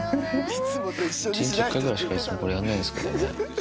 １日１回ぐらいしかいつもこれやんないんですけどね。